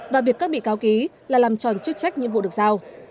và việc các bị cáo ký là làm tròn chức trách nhiệm vụ được giao